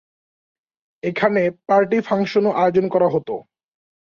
এখানে পার্টি-ফাংশনও আয়োজন করা হত।